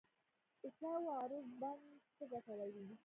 د شاه و عروس بند څه ګټه لري؟